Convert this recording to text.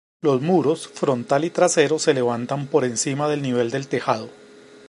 Los muros frontal y trasero se levantan por encima del nivel del tejado.